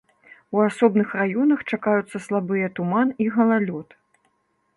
У асобных раёнах чакаюцца слабыя туман і галалёд.